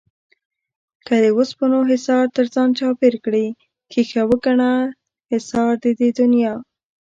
که د اوسپنو حِصار تر ځان چاپېر کړې ښيښه وگڼه حِصار د دې دنيا